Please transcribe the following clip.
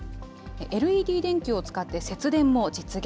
ＬＥＤ電球を使って、節電も実現。